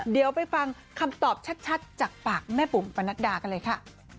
เดี๋ยวไปฟังคำตอบชัดจากปากแม่บุ๋มปนัดดากันเลยค่ะ